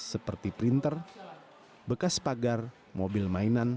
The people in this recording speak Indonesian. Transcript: seperti printer bekas pagar mobil mainan